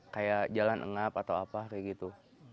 kayak jalan ngap atau apa kayak gitu